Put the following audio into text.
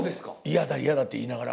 「嫌だ嫌だ」って言いながら。